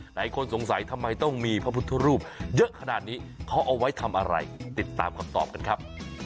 หลายคนสงสัยทำไมต้องมีพระพุทธรูปเยอะขนาดนี้เขาเอาไว้ทำอะไรติดตามคำตอบกันครับ